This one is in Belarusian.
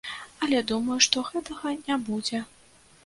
Але думаю, што гэтага не будзе.